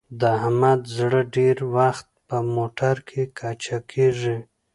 د احمد زړه ډېری وخت په موټرکې کچه کېږي.